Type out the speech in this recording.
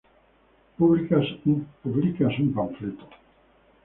publicas un panfleto